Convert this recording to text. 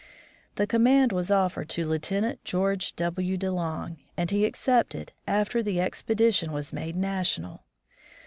The command was offered to Lieutenant George W. De Long and he accepted, after the expedition was made national.